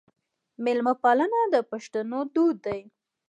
میلمه پالنه د پښتنو دود دی.